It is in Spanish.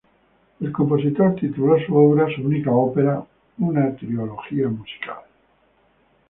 El compositor tituló su obra, su única ópera, una "trilogía musical.